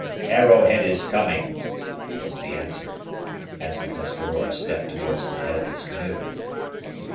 "Arrowhead is coming," was the answer, as the Tuscarora stepped towards the head of his canoe.